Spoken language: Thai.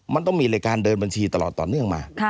มันต้องมีรายการเดินบัญชีตลอดต่อเนื่องมา